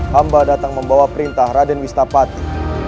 hamba datang membawa perintah raden wistapati